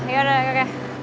yaudah yuk yuk